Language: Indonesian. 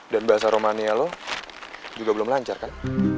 dan bahasa romanya lo juga belum lancar kan